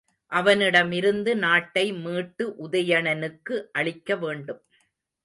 அவனிடமிருந்து நாட்டை மீட்டு உதயணனுக்கு அளிக்க வேண்டும்.